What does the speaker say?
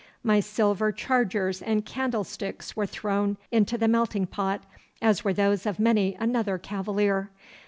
My silver chargers and candlesticks were thrown into the melting pot, as were those of many another cavalier.